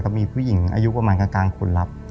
มีผู้หญิงอายุประมาณกลางคนรับ